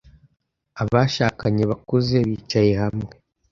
Abashakanye bakuze bicaye hamwe.